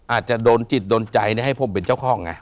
อาจจะโดนจิตโดนใจให้ผมเป็นเจ้าของไง